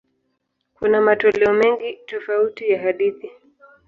Kuna matoleo mengi tofauti ya hadithi.